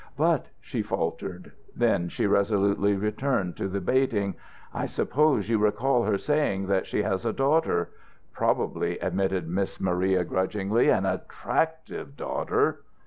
"But " she faltered. Then she resolutely returned to the baiting. "I suppose you recall her saying that she has a daughter. Probably," admitted Miss Maria, grudgingly, "an attractive daughter."